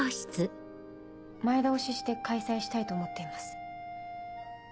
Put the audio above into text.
前倒しして開催したいと思っています。